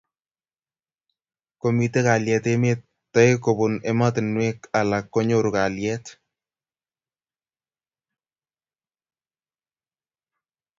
Komitei kalyet emet ,toek kobun emotinwek alak konyoru kalyet.